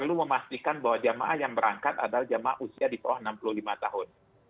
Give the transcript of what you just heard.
perlu memastikan bahwa jemaah yang berangkat adalah jemaah usia di bawah enam puluh lima tahun